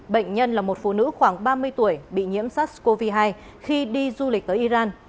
bệnh nhân là một phụ nữ khoảng ba mươi tuổi bị nhiễm sars cov hai khi đi du lịch tới iran